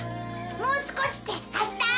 もう少しって明日？